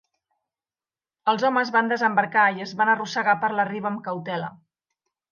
Els homes van desembarcar i es van arrossegar per la riba amb cautela.